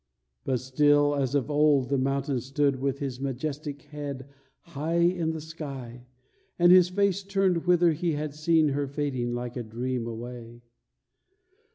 But still, as of old, the mountain stood with his majestic head high in the sky, and his face turned whither he had seen her fading like a dream away.